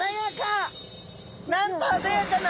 なんと鮮やかな。